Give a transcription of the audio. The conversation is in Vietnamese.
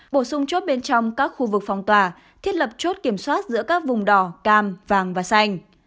bổ sung chốt bên trong các khu vực phòng tỏa thiết lập chốt kiểm soát giữa các vùng đỏ cam vàng và xanh